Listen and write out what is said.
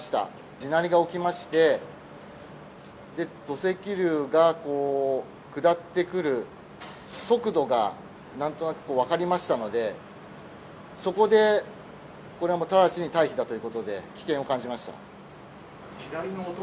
地鳴りが起きまして、土石流がこう下ってくる速度がなんとなく分かりましたので、そこで、これはもう直ちに退避だということで、危険を感じました。